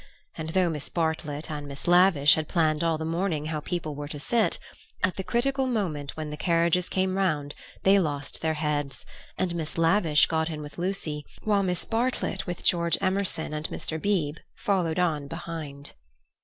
And though Miss Bartlett and Miss Lavish had planned all the morning how the people were to sit, at the critical moment when the carriages came round they lost their heads, and Miss Lavish got in with Lucy, while Miss Bartlett, with George Emerson and Mr. Beebe, followed on behind.